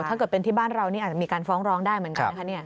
ถ้าเกิดเป็นที่บ้านเรานี่อาจจะมีการฟ้องร้องได้เหมือนกันนะคะ